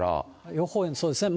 予報円、そうですね。